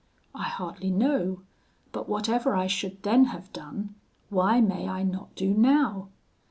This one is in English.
I hardly know; but whatever I should then have done, why may I not do now?